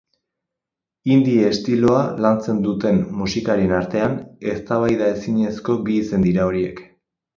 Indie estiloa lantzen duten musikarien artean, eztabaidaezinezko bi izen dira horiek.